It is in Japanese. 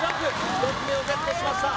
１つ目をゲットしました